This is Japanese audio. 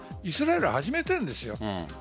イスラエルは始めているんです。